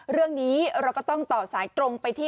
เรื่องนี้เราก็ต้องต่อสายตรงไปที่